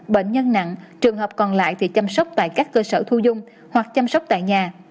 bệnh nhân nặng trường hợp còn lại thì chăm sóc tại các cơ sở thu dung hoặc chăm sóc tại nhà